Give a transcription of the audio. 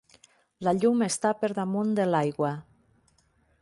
La llum està per damunt de l'aigua.